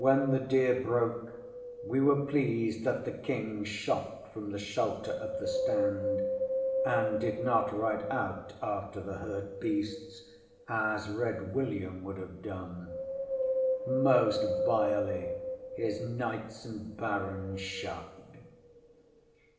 ŌĆśWhen the deer broke, we were pleased that the King shot from the shelter of the stand, and did not ride out after the hurt beasts as Red William would have done. Most vilely his knights and barons shot!